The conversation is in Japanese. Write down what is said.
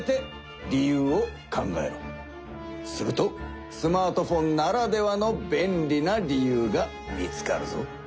するとスマートフォンならではの便利な理由が見つかるぞ。